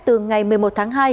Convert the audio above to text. từ ngày một mươi một tháng hai